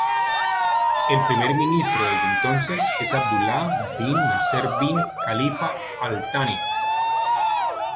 El primer ministro desde entonces es Abdullah bin Nasser bin Khalifa Al Thani.